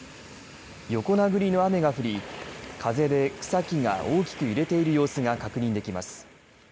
横殴りの雨が降り風で草木が大きく揺れている様子が確認できます。